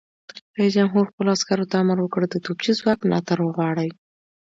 رئیس جمهور خپلو عسکرو ته امر وکړ؛ د توپچي ځواک ملاتړ وغواړئ!